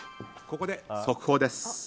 ここで速報です。